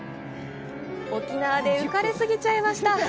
沖縄で浮かれ過ぎちゃいました。